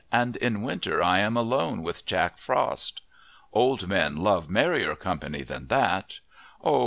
And in winter I am alone with Jack Frost! Old men love merrier company than that. Oh!